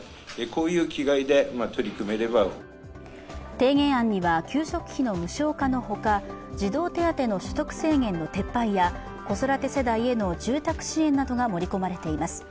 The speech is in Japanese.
提言案には給食費の無償化のほか児童手当の所得制限の撤廃や子育て世帯への住宅支援などが盛り込まれています。